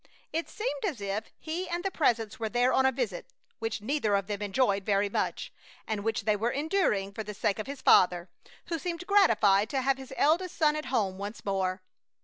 It seemed as if he and the Presence were there on a visit which neither of them enjoyed very much, and which they were enduring for the sake of his father, who seemed gratified to have his eldest son at home once more.